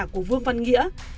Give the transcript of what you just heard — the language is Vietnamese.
của vương văn nghĩa